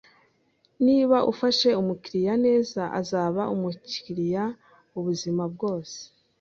Niba ufashe umukiriya neza, azaba umukiriya ubuzima bwose.